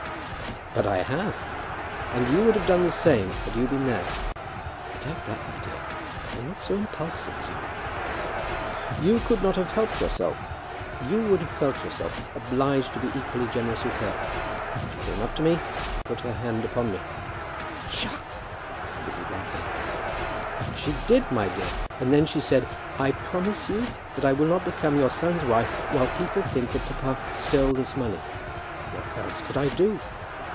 "But I have. And you would have done the same had you been there." "I doubt that, my dear. I am not so impulsive as you are." "You could not have helped yourself. You would have felt yourself obliged to be equally generous with her. She came up to me and she put her hand upon me " "Psha!" said Mrs. Grantly. "But she did, my dear; and then she said, 'I promise you that I will not become your son's wife while people think that papa stole this money.' What else could I do?"